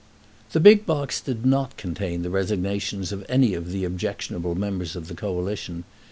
The big box did not contain the resignations of any of the objectionable members of the Coalition.